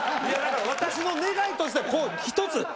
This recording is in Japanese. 私の願いとしては一つ。